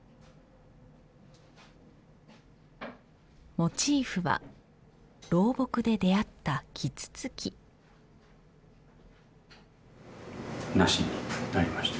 モチーフは老木で出会ったキツツキなしになりました